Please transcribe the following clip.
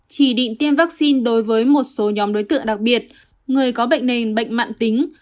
chỉ định tiêm vaccine đối với một số nhóm đối tượng đặc biệt người có bệnh nền bệnh mạng tính